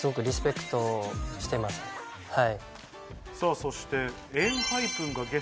そして。